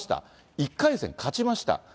１回戦勝ちました。